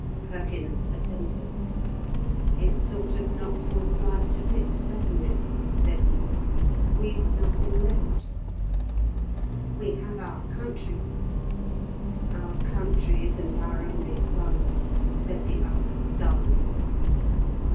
Perkins assented. "It sort of knocks one's life to bits, doesn't it?" said he. "We've nothing left." "We have our country." "Our country isn't our only son," said the other dully.